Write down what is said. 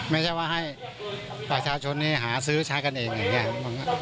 ไม่ใช่ว่าให้ประชาชนหาซื้อใช้กันเองอย่างนี้